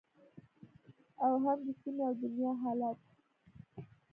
او هم د سیمې او دنیا حالت